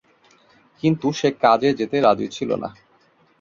কিন্তু সে কাজে যেতে রাজি ছিলনা।